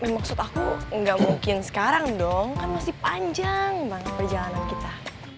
maksud aku nggak mungkin sekarang dong kan masih panjang banget perjalanan kita